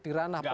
di ranah politik